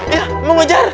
iya mau ngejar